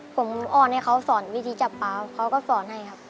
ผมอ่อนให้เขาสอนวิธีจับปลาเขาก็สอนให้ครับ